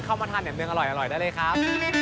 เข้ามาทานแบบเนืองอร่อยได้เลยครับ